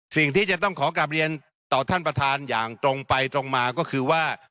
สิ่งที่จะต้องขอกลับเรียนต่อท่านประธานอย่างตรงไปตรงมาก็คือว่า